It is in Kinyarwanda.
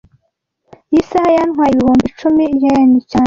Iyi saha yantwaye ibihumbi icumi yen cyane